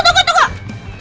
tunggu tunggu tunggu